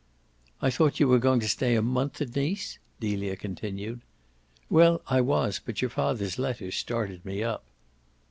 "I thought you were going to stay a month at Nice?" Delia continued. "Well, I was, but your father's letter started me up."